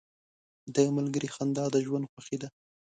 • د ملګري خندا د ژوند خوښي ده.